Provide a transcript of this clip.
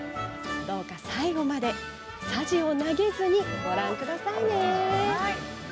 どうか最後までさじを投げずに、ご覧くださいね。